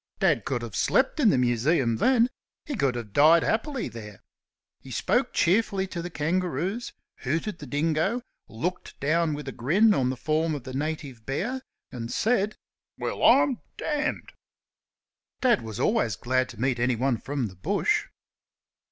Dad could have slept in the Museum then he could have died happily there. He spoke cheerfully to the kangaroos, hooted the dingo, looked down with a grin on the form of the native bear, and said, "Well, I'm d d!" Dad was always glad to meet anyone from the Bush.